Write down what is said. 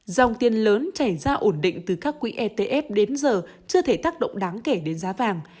dòng tiền lớn chảy ra ổn định từ các quỹ etf đến giờ chưa thể tác động đáng kể đến giá vàng